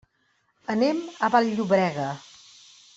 Anem a Vall-llobrega.